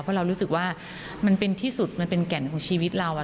เพราะเรารู้สึกว่ามันเป็นที่สุดมันเป็นแก่นของชีวิตเรา